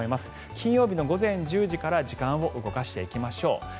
金曜日の午前１０時から時間を動かしていきましょう。